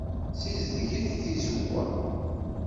Ssizedget tizewwa.